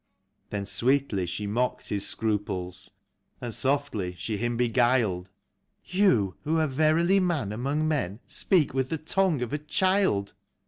Then sweetly she mocked his scruples, and softly she him beguiled: " You, who are verily man among men, speak with the tongue of a child.